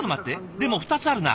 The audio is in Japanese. でも２つあるな。